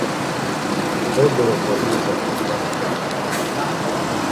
Ordo ordo imxort̆ey ǩarti ǩarti.